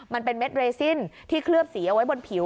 มันเป็นเม็ดเรซินที่เคลือบสีเอาไว้บนผิว